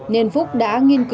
nên phúc đã nghiên cứu kỹ